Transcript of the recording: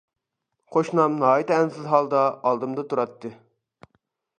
قوشنام ناھايىتى ئەنسىز ھالدا ئالدىمدا تۇراتتى.